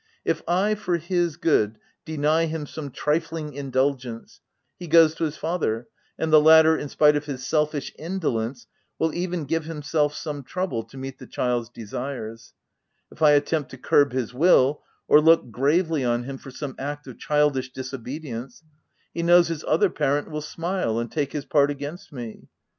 If I, for his good, deny him some trifling indulgence, he goes to his father, and the latter, in spite of his selfish indolence, will even give himself some trouble to meet the child's desires : if I attempt to curb his will, or look gravely on him for some act of childish disobedience, he knows his other parent will smile and take his part against me.